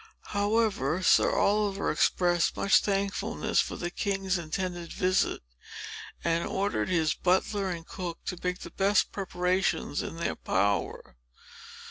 However, Sir Oliver expressed much thankfulness for the king's intended visit, and ordered his butler and cook to make the best preparations in their power.